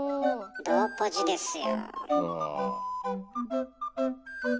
同ポジですよ。